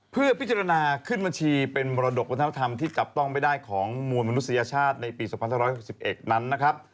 เพื่อพิจารณาขึ้นบัญชีเป็นมรดกวัฒนธรรมที่จับต้องไม่ได้ของมวลมนุษยชาติในปี๒๕๖๑นั้นนะครับ